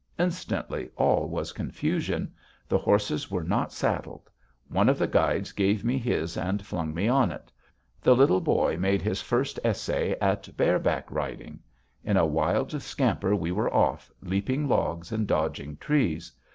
Instantly all was confusion. The horses were not saddled. One of the guides gave me his and flung me on it. The Little Boy made his first essay at bareback riding. In a wild scamper we were off, leaping logs and dodging trees.